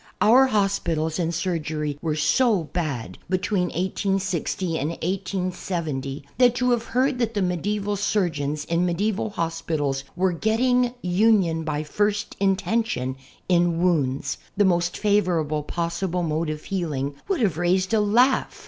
Our hosjiitals and surgery were so bad between 1860 and 1870 that to have heard that the nedieval surgeons in medieval hospitals were "getting union by first intention" in wounds — the most favorable possible mode of healing — would have raised a laugh.